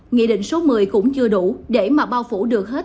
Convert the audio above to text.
nghị định số một mươi cũng chưa đủ để mà bao phủ được hết